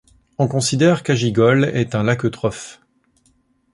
On considère qu'Ajigol est un lac eutrophe.